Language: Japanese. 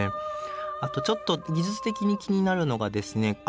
あとちょっと技術的に気になるのがですね